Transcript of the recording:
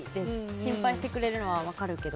心配してくれるのは分かるけど。